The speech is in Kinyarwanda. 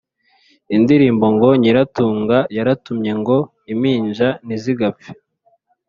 indirimbo ngo: “Nyiratunga Yaratumye ngo Impinja Ntizigapfe.”